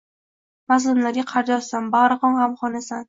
Mazlumlarga qardoshsan, bagʼri qon gʼamxonasan.